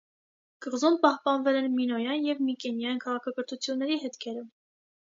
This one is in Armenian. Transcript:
Կղզում պահպանվել են մինոյան և միկենյան քաղաքակրթությունների հետքերը։